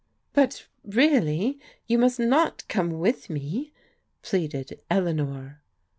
"But, really, you must not come with me," pleaded Eleanor.